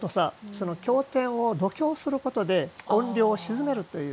その経典を読経することで怨霊を沈めるという。